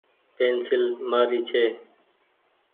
پينسيل مآري ڇي۔